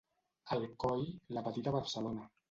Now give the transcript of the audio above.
Alcoi, la petita Barcelona.